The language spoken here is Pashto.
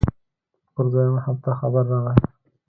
پر دويمه هفته خبر راغى.